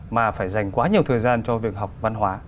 mà phải dành quá nhiều thời gian cho việc học văn hóa